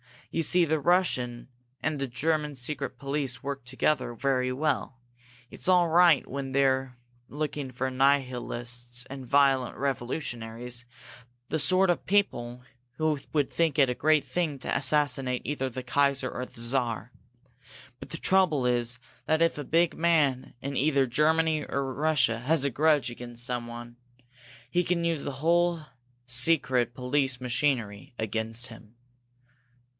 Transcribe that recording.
You see the Russian and the German secret police work together very well. It's all right when they're looking for nihilists and violent revolutionaries the sort of people who would think it a great thing to assassinate either the Kaiser or the Czar. But the trouble is that if a big man in either Germany or Russia has a grudge against someone, he can use that whole secret police machinery against him.